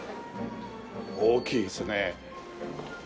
大きいですね。